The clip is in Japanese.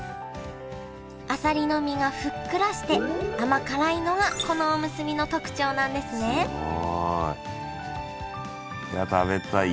あさりの身がふっくらして甘辛いのがこのおむすびの特徴なんですねいや食べたい。